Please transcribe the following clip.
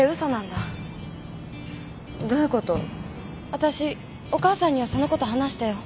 わたしお母さんにはそのこと話したよ。